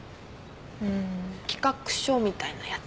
うん企画書みたいなやつ。